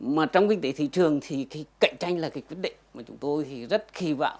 mà trong kinh tế thị trường thì cái cạnh tranh là cái quyết định mà chúng tôi thì rất kỳ vọng